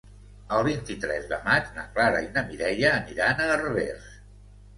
El vint-i-tres de maig na Clara i na Mireia aniran a Herbers.